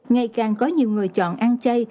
ngày càng có nhiều người chọn ăn chay